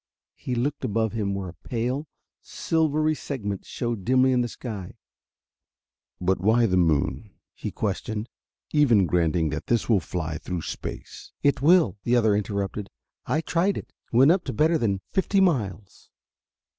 He looked above him where a pale, silvery segment showed dimly in the sky. "But why the moon?" he questioned. "Even granting that this will fly through space...." "It will," the other interrupted. "I tried it. Went up to better than fifty miles."